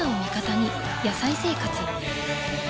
「野菜生活」